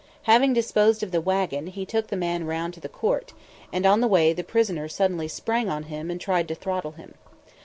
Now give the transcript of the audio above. Having disposed of the wagon, he took the man round to the court, and on the way the prisoner suddenly sprang on him and tried to throttle him.